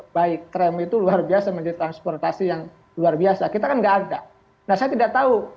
baik krem itu luar biasa menjadi transportasi yang luar biasa kita kan enggak ada nah saya tidak tahu